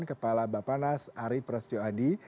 kepala bapak nas arief prasetyo adi